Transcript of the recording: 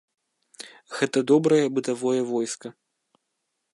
Гэта добрае бытавое войска.